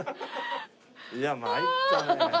いや参ったね。